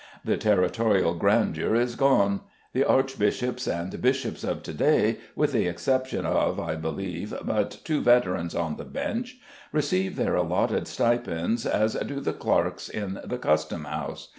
The territorial grandeur is gone. The archbishops and bishops of to day, with the exception of, I believe, but two veterans on the bench, receive their allotted stipends as do the clerks in the Custom house.